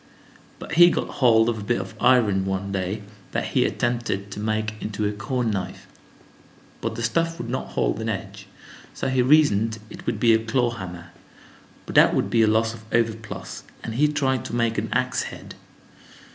But he got hold of a bit of iron one day that he attempted to make into a corn knife, but the stuff would not hold an edge, so he reasoned it would be a claw hammer; but that would be a loss of overplus, and he tried to make an ax head.